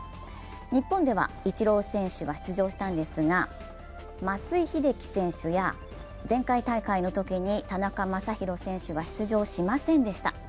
日本ではイチロー選手が出場したんですが、松井秀喜選手や前回大会のときに田中将大選手は出場しませんでした。